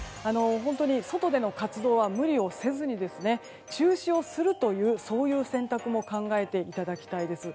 本当に外での活動は無理をせずに中止をするという選択も考えていただきたいです。